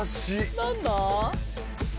何だ！？